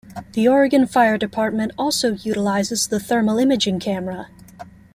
The Oregon Fire Department also utilizes the Thermal Imaging Camera.